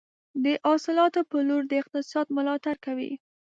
د حاصلاتو پلور د اقتصاد ملاتړ کوي.